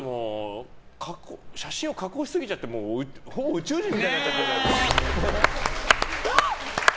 写真を加工しすぎちゃってほぼ宇宙人みたいになっちゃってる。